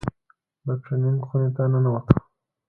د ټرېننگ خونې ته ننوتو.